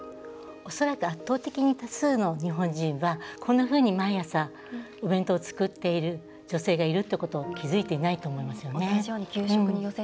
恐らく圧倒的に多数の日本人はこんなふうに毎朝お弁当を作っている女性がいるってことを気付いていないと思いますよね。